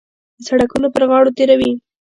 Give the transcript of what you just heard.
د سړکونو پر غاړو تېروي.